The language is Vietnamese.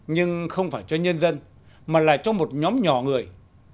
nhưng không phải cho nhân dân mà là cho một nhóm nhỏ người